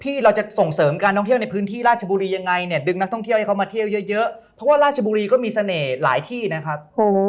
ที่เราจะส่งเสริมการท่องเที่ยวในพื้นที่ราชบุรียังไงเนี่ยดึงนักท่องเที่ยวให้เขามาเที่ยวเยอะเยอะเพราะว่าราชบุรีก็มีเสน่ห์หลายที่นะครับ